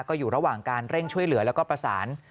ก็อยู่ระหว่างการเร่งช่วยเหลือแล้วก็ประสาน